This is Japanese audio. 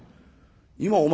今お前